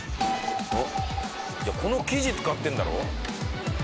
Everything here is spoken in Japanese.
この生地使ってるんだろ？